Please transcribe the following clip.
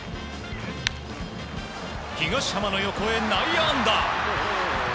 東浜の横へ内野安打。